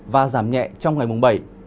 và giảm nhẹ trong ngày mùng bảy